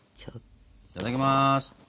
いただきます。